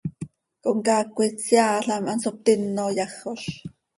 Comcaac coi tseaalam, hanso ptino yajoz.